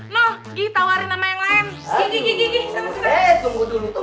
kalian baik dikul kalau laki laki handsome